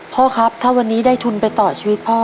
พ่อครับถ้าวันนี้ได้ทุนไปต่อชีวิตพ่อ